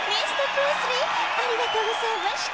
プレスリーありがとうございました。